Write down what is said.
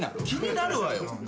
気になるわよ。